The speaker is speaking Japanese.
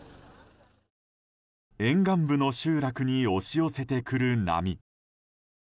沿岸部の集落に押し寄せてくる波。